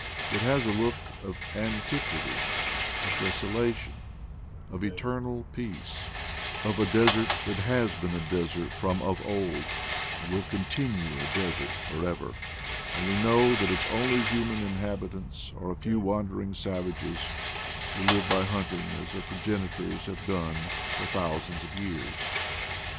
It has a look of an tiquity, of desolation, of eternal peace, of a desert that has been a desert from of old and will con tinue a desert for ever; and we know that its only human inhabitants are a few wandering savages, who live by hunting as their progenitors have done for thousands of years.